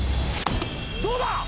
どうだ！